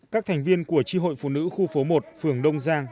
các thành viên của tri hội phụ nữ khu phố một phường đông giang